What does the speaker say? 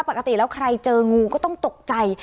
ปกติแล้วใครเจองูก็ต้องตกใจ